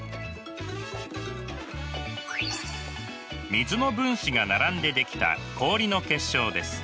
水の分子が並んで出来た氷の結晶です。